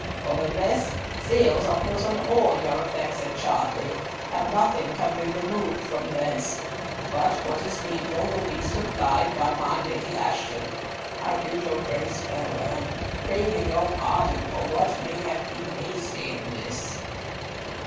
For the rest, seals are put on all your effects at Chartley, and nothing can be removed from thence, but what is needful will be supplied by my Lady Ashton. I bid your Grace farewell, craving your pardon for what may have been hasty in this."